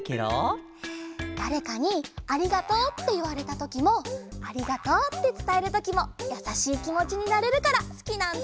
だれかに「ありがとう」っていわれたときも「ありがとう」ってつたえるときもやさしいきもちになれるからすきなんだ！